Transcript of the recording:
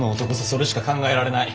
それしか考えられない。